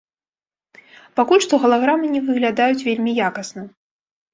Пакуль што галаграмы не выглядаюць вельмі якасна.